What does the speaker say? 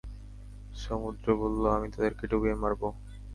সমুদ্র বলল, আমি তাদেরকে ডুবিয়ে মারব।